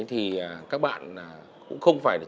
thì các bạn cũng không phải chụp